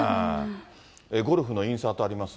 ゴルフのインサートあります？